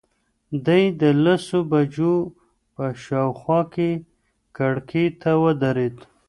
دی د لسو بجو په شاوخوا کې کړکۍ ته ودرېد.